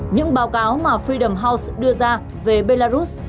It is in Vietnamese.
những báo cáo mà fidam house đưa ra về belarus